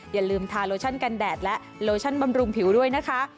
อย่าลืมทาโลชั่นกันแดดและโลชั่นบำรุงผิวด้วยนะคะ